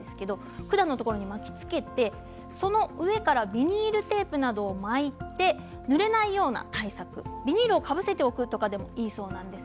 管のところに巻きつけてその上からビニールテープなどを巻いてぬれないような対策ビニールをかぶせておくでもいいそうです。